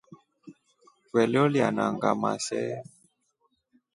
Twe loliyana ngamaa see?